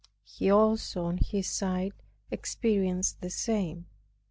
He also, on his side, experienced the same.